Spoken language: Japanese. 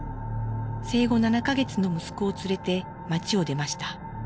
生後７か月の息子を連れて街を出ました。